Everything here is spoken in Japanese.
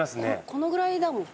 このぐらいだもん